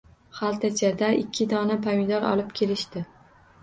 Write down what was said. Xaltachada ikki dona pomidor olib kelishdi